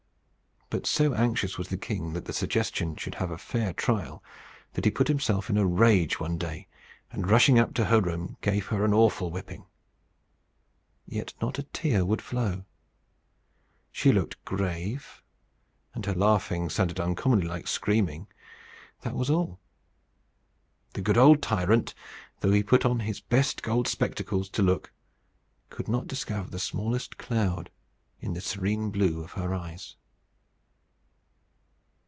But so anxious was the king that the suggestion should have a fair trial, that he put himself in a rage one day, and, rushing up to her room, gave her an awful whipping. Yet not a tear would flow. She looked grave, and her laughing sounded uncommonly like screaming that was all. The good old tyrant, though he put on his best gold spectacles to look, could not discover the smallest cloud in the serene blue of her eyes.